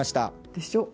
でしょ。